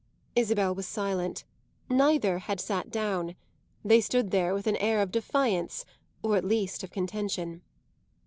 Isabel was silent; neither had sat down; they stood there with an air of defiance, or at least of contention.